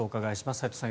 齊藤さん